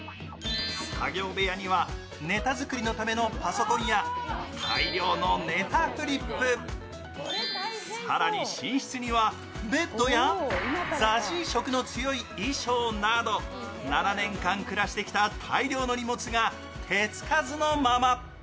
作業部屋にはネタ作りのためのパソコンや大量のネタフリップ、更に寝室にはベッドやＺＡＺＹ色の強い衣装など７年間暮らしてきた大量の荷物が手つかずのまま。